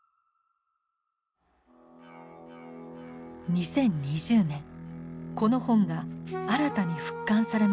２０２０年この本が新たに復刊されました。